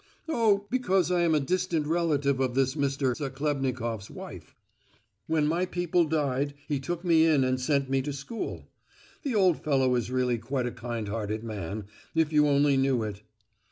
"Oh, because I am a distant relative of this Mr. Zachlebnikoff's wife. When my people died, he took me in and sent me to school. The old fellow is really quite a kind hearted man, if you only knew it."